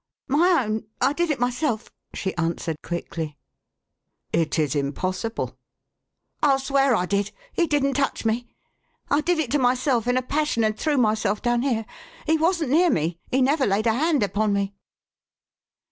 "My own. I did it myself!" she answered quickly. " It is impossible." "Til swear I did! He didn't touch me. I did it to myself in a passion, and threw myself down here. He wasn't near me. He never laid a hand upon me